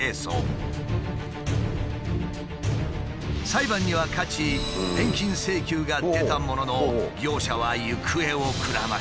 裁判には勝ち返金請求が出たものの業者は行方をくらましてしまった。